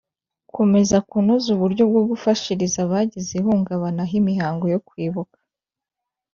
Gukomeza kunoza uburyo bwo gufashiriza abagize ihungabana aho imihango yo Kwibuka